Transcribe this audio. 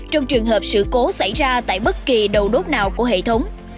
trong trường hợp sự cố xảy ra tại bất kỳ đầu đốt nào của hệ thống